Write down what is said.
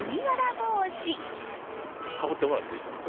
かぶってもらっていいですか？